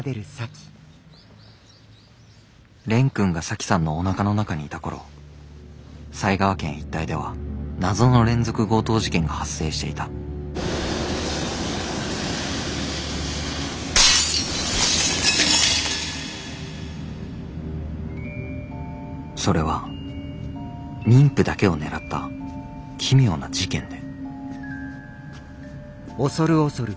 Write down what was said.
蓮くんが沙樹さんのおなかの中にいた頃埼川県一帯では謎の連続強盗事件が発生していたそれは妊婦だけを狙った奇妙な事件で・